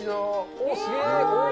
おー、すげえ。